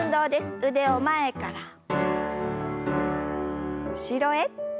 腕を前から後ろへ。